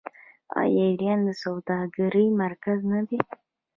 آیا ایران د سوداګرۍ مرکز نه دی؟